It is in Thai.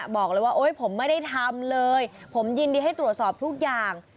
บอกเลยว่าโอ๊ยผมไม่ได้ทำเลยผมยินดีให้ตรวจสอบทุกอย่าง